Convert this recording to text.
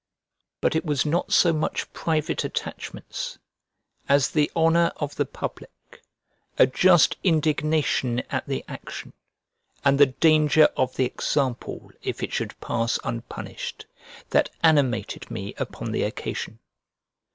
But it was not so much private attachments as the honour of the public, a just indignation at the action, and the danger of the example if it should pass unpunished, that animated me upon the occasion.